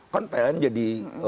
kan pln jadi